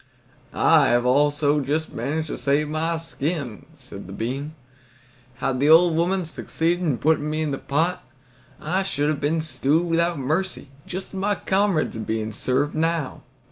"I have also just managed to save my skin," said the bean. "Had the old woman succeeded in putting me into the pot, I should have been stewed without mercy, just as my comrades are being served now."